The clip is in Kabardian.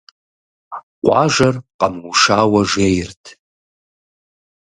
Къуажэр къэмыушауэ жейрт.